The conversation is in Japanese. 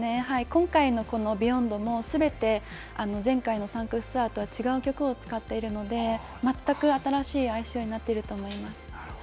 今回の、このビヨンドも、すべて前回のサンクスツアーとは違う曲を使っているので、全く新しいアイスショーになってると思います。